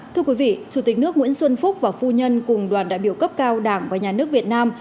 thưa quý vị chủ tịch nước nguyễn xuân phúc và phu nhân cùng đoàn đại biểu cấp cao đảng và nhà nước việt nam